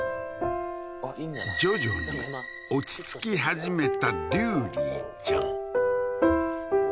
徐々に落ち着き始めたデューリーちゃん